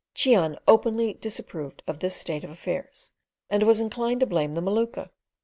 Cheon openly disapproved of this state of affairs, and was inclined to blame the Maluka.